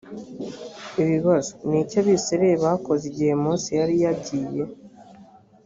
ibibazo ni iki abisirayeli bakoze igihe mose yari yagiye ‽